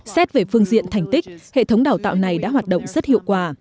xét về phương diện thành tích hệ thống đào tạo này đã hoạt động rất hiệu quả